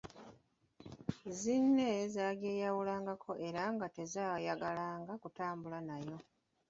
Zzinne zaagyeyawulangako era nga tezaayagalanga kutambula nayo.